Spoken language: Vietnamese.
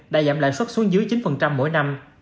đã giảm lãi suất xuống dưới chín mỗi năm